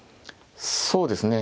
そうですね